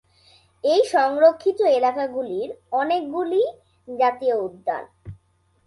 এই সংরক্ষিত এলাকাগুলির অনেকগুলিই জাতীয় উদ্যান।